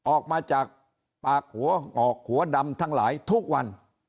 ออกมาจากปากหัวงอกหัวดำทั้งหลายทุกวัน